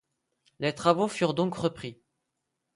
Les travaux furent donc repris